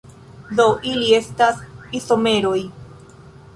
Do ili estas izomeroj.